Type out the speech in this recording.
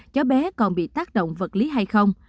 cháu bé còn bị tác động vật lý hay không